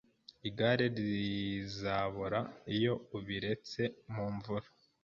Igare rizabora iyo ubiretse mu mvura